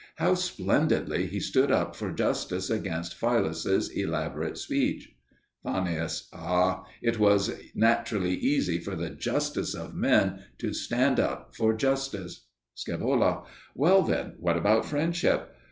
How splendidly he stood up for justice against Philus's elaborate speech. Fannius. Ah! it was naturally easy for the justest of men to stand up for justice. Scaevola. Well, then, what about friendship?